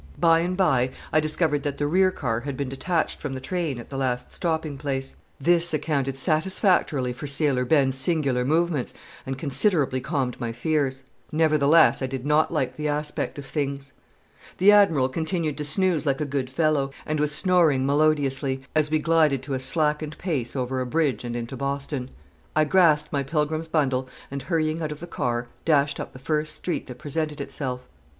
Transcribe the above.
By and by I discovered that the rear car had been detached from the train at the last stopping place. This accounted satisfactorily for Sailor Ben's singular movements, and considerably calmed my fears. Nevertheless, I did not like the aspect of things. The Admiral continued to snooze like a good fellow, and was snoring melodiously as we glided at a slackened pace over a bridge and into Boston. I grasped my pilgrim's bundle, and, hurrying out of the car, dashed up the first street that presented itself.